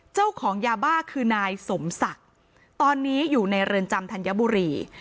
เจ้าของยาบ้าคือนายสมศักดิ์ตอนนี้อยู่ในเรือนจำธัญบุรี